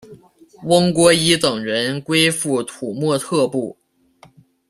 翁郭依等人归附土默特部。